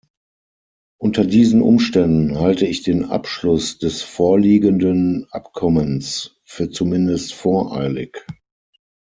Unter diesen Umständen halte ich den Abschluss des vorliegenden Abkommens für zumindest voreilig.